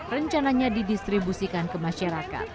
rencananya didistribusikan ke masyarakat